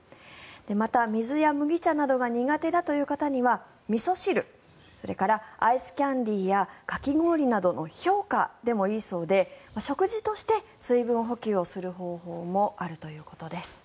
また、水や麦茶などが苦手だという方にはみそ汁、それからアイスキャンディーやかき氷などの氷菓でもいいそうで食事として水分補給をする方法もあるということです。